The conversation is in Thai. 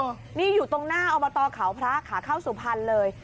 นี่อยู่ตรงหน้าอบตเขาพระขาเข้าสุพรรณเลย